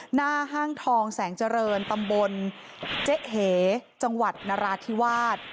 หน้าห้างทองแสงเจริญตำบลเจ๊เหจังหวัดนราธิวาส